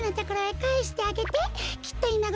かえしてあげて！